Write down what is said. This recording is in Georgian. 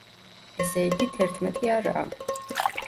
ესე იგი, თერთმეტი არაა.